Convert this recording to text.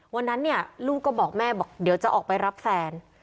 วันนั้นเนี่ยลูกก็บอกแม่บอกเดี๋ยวจะออกไปรับแฟน